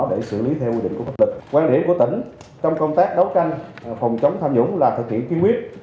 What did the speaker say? quang điểm của tỉnh trong công tác đấu tranh phòng chống tham dũng là thực hiện kiên quyết